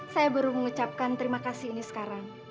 saya baru mengucapkan terima kasih ini sekarang